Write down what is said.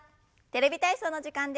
「テレビ体操」の時間です。